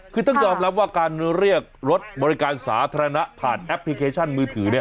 คือต้องยอมรับว่าการเรียกรถบริการสาธารณะผ่านแอปพลิเคชันมือถือ